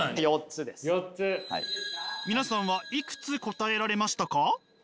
皆さんはいくつ答えられましたか？